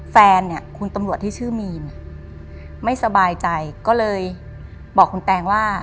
แฟนเนี่ยคุณตำรวจที่ชื่อมีนไม่สบายใจก็เลยบอกคุณแตงว่า